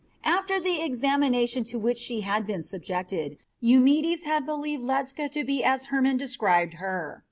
After the examination to which she had been subjected, Eumedes had believed Ledscha to be as Hermon described her.